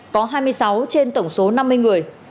có hai mươi sáu trên tổng số năm mươi người